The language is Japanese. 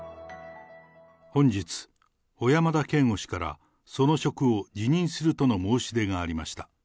本日、小山田圭吾氏からその職を辞任するとの申し出がありました。